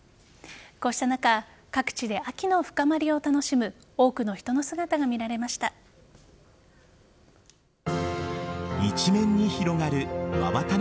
こうした中各地で秋の深まりを楽しむ多くの人の姿が見られました。